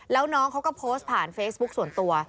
แล้วน้องเขาก็โพสต์ผ่านเฟซบุ๊คส่วนตัว